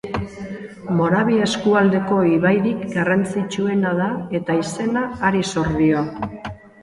Moravia eskualdeko ibairik garrantzitsuena da eta izena hari zor dio.